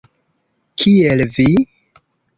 Kiel vi?